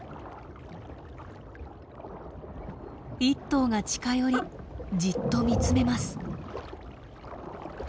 １頭が近寄りじっと見つめます。